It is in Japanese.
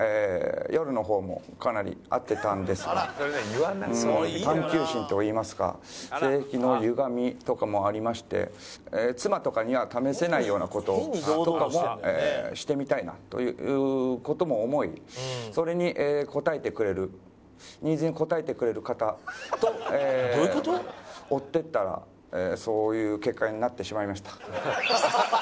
夜の方もかなり合っていたんですが探究心と言いますか性癖のゆがみとかもありまして妻とかには試せないような事とかもしてみたいなという事も思いそれに応えてくれるニーズに応えてくれる方と追っていったらそういう結果になってしまいました。